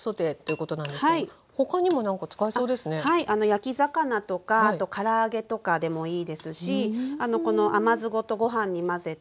焼き魚とかから揚げとかでもいいですしこの甘酢ごとご飯に混ぜて酢飯っぽくして。